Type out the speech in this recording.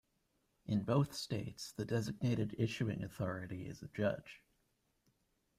In both states the designated issuing authority is a judge.